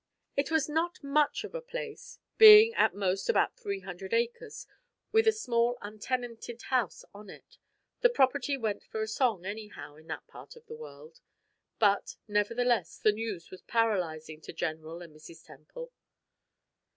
It was not much of a place, being at most about three hundred acres, with a small, untenanted house on it and property went for a song, anyhow, in that part of the world but, nevertheless, the news was paralyzing to General and Mrs. Temple.